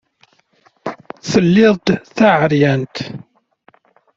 Telliḍ d taɛeryant.